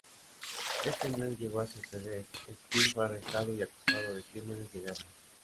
Esto no llegó a suceder: Speer fue arrestado y acusado de crímenes de guerra.